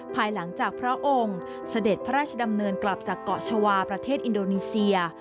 ภายหลังจากพระองค์เสด็จพระราชดำเนินกลับจากเกาะชาวาประเทศอินโดนีเซีย